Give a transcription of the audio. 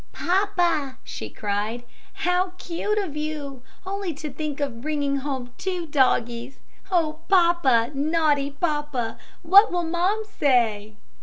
"Poppa," she cried, "how cute of you! Only to think of you bringing home two doggies! Oh, Poppa, naughty Poppa, what will mum say?"